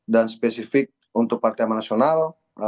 dan spesifik untuk partai amal nasional